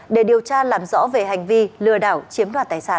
để điều tra làm rõ về hành vi lừa đảo chiếm đoạt tài sản